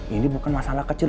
ini bukan masalah kecil